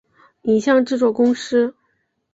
影像制作公司